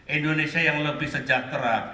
indonesia yang lebih sejahtera